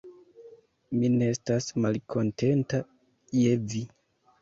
Mi ne estas malkontenta je vi.